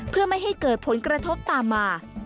เพื่อไม่ให้เกิดผลกระทบตามมา